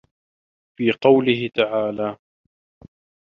فِي قَوْله تَعَالَى